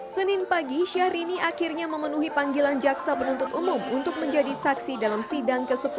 senin pagi syahrini akhirnya memenuhi panggilan jaksa penuntut umum untuk menjadi saksi dalam sidang ke sepuluh